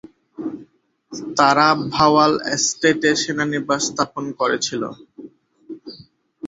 তারা ভাওয়াল এস্টেটে সেনানিবাস স্থাপন করেছিল।